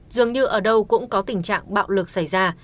dường như ở đâu cũng có tình trạng bạo lực xảy ra